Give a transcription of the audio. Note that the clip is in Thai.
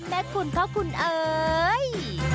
แม่คุณข้าวคุณเอ๋ย